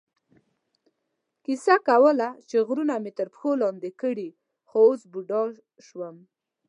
کیسه کوله چې غرونه مې تر پښو لاندې کړي، خو اوس بوډا شوم.